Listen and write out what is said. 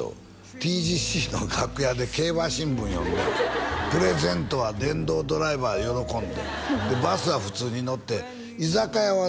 ＴＧＣの楽屋で競馬新聞読んでプレゼントは電動ドライバー喜んででバスは普通に乗って居酒屋はね